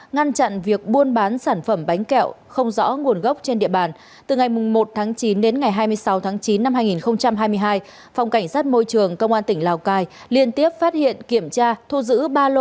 hai năm trăm linh kg thực phẩm không rõ nguồn gốc xuất xứ vừa bị tri cục quản lý thị trường tỉnh phát hiện bắt giữ